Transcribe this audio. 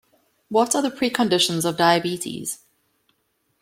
What are the preconditions of diabetes?